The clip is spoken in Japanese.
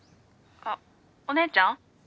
あっお姉ちゃん？